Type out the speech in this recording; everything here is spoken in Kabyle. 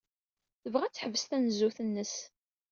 Tebɣa ad teḥbes tanezzut-nnes.